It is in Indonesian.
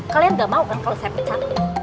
kalian gak mau kan kalau saya pecah